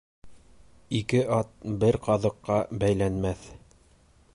Ике ат бер ҡаҙыҡҡа бәйләнмәҫ.